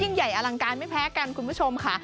ใหญ่อลังการไม่แพ้กันคุณผู้ชมค่ะ